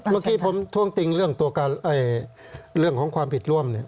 เมื่อกี้ผมทวงติงเรื่องของความผิดร่วมเนี่ย